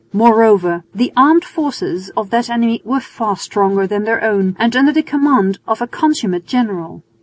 Moreover the armed forces of that enemy were far stronger than their own and under the command of a consummate general.